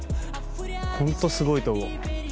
ホントすごいと思う。